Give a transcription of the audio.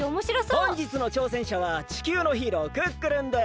ほんじつのちょうせんしゃは地球のヒーロークックルンです。